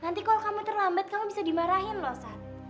nanti kalau kamu terlambat kamu bisa dimarahin loh saat